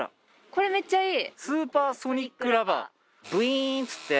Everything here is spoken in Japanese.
これめっちゃいい！